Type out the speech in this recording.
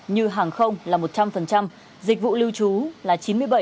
như hàng không là một trăm linh dịch vụ lưu trú là chín mươi bảy